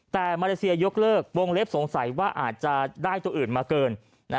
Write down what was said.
แต่มาเลเซียยกเลิกวงเล็บสงสัยว่าอาจจะได้ตัวอื่นมาเกิน